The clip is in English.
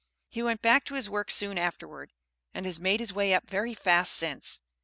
He went back to his work soon afterward, and has made his way up very fast since.